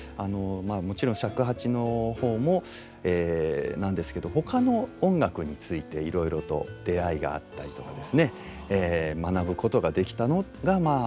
もろちん尺八の方もなんですけどほかの音楽についていろいろと出会いがあったりとかですね学ぶことができたのがまあ本当に大きかったと思います。